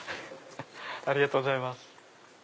ありがとうございます。